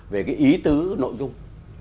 về cái ý tứ nội dung